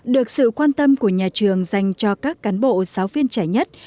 được sự quan tâm của nhà trường dành cho các cán bộ giáo viên trẻ nhất